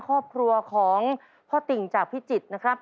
ครอบครัวของพ่อติ่งจากพิจิตรนะครับ